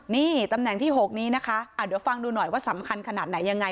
นี่ตำแหน่งที่๖นี้นะคะเดี๋ยวฟังดูหน่อยว่าสำคัญขนาดไหนยังไง